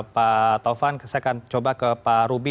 pak tovan saya akan coba ke pak ruby